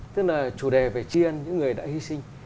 tức là chủ đề về tri ân những người đã hy sinh